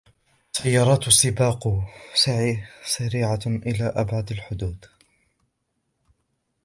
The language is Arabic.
سيارات السباق سريعة إلى أبعد الحدود.